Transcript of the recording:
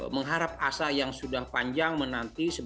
mengharap asa yang sudah panjang menanti